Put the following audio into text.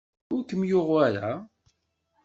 Ur kem-yuɣ wara?